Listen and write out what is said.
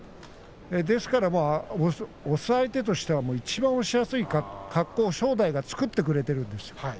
ですから押す相手としてはいちばん押しやすい格好を正代が作ってくれているんですよ。